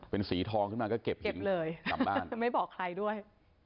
เป็นสีทองขึ้นมาก็เก็บหินเก็บเลยจำบ้านไม่บอกใครด้วย